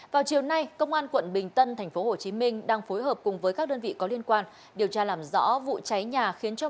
vào chiều nay công an quận bình tân tp hcm đang phối hợp cùng với các đơn vị có liên quan điều tra làm rõ vụ cháy nhà khiến cho